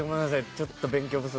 ちょっと勉強不足。